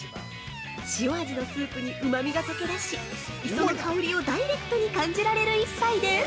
塩味のスープに、旨味が溶けだし磯の香りをダイレクトに感じられる一杯です。